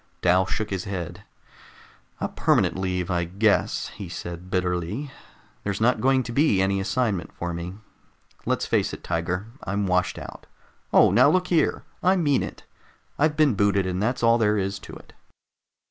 Dal shook his head. "A permanent leave, I guess," he said bitterly. "There's not going to be any assignment for me. Let's face it, Tiger. I'm washed out." "Oh, now look here " "I mean it. I've been booted, and that's all there is to it."